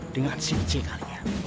dengan si ece kali ya